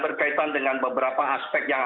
berkaitan dengan beberapa aspek yang